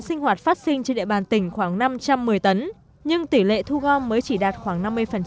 sinh hoạt phát sinh trên địa bàn tỉnh khoảng năm trăm một mươi tấn nhưng tỷ lệ thu gom mới chỉ đạt khoảng năm mươi